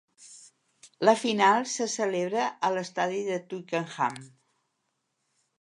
La final se celebra a l'estadi Twickenham.